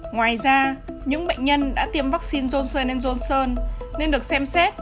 ngoài ra những bệnh nhân đã tiêm vắc xin johnson johnson nên được xem xét